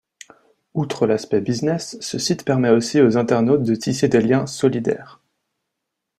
Outre l'aspect business, ce site permet aussi aux internautes de tisser des liens solidaires.